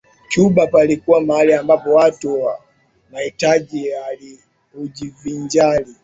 Cuba palikuwa mahali ambapo watu matajiri hujivinjari